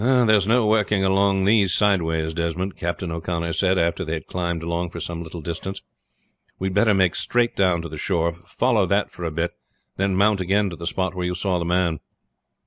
"There is no working along these sideways, Desmond," Captain O'Connor said after they had climbed along for some little distance. "We had better make straight down to the shore, follow that for a bit, and then mount again to the spot where you saw the man."